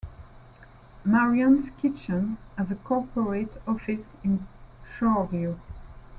Marianne's Kitchen has a corporate office in Shoreview.